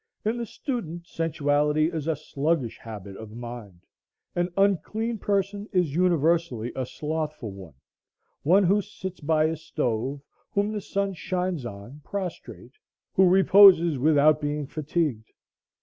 In the student sensuality is a sluggish habit of mind. An unclean person is universally a slothful one, one who sits by a stove, whom the sun shines on prostrate, who reposes without being fatigued.